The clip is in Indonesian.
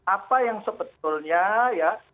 apa yang sebetulnya ya